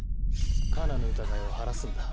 カナの疑いを晴らすんだ。